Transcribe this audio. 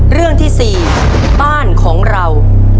เรื่องที่๔บ้านของเรา